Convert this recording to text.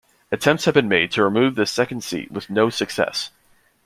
Attempts have been made to remove this second seat to with no success.